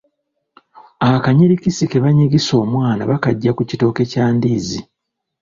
Akanyirikisi ke banyigisa omwana bakajja ku kitooke kya Ndiizi.